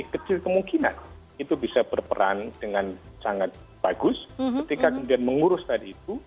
kecil kemungkinan itu bisa berperan dengan sangat bagus ketika kemudian mengurus tadi itu